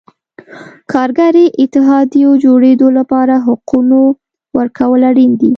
کارګري اتحادیو جوړېدو لپاره حقونو ورکول اړین دي.